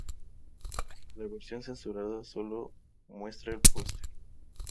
La versión censurada sólo muestra el póster.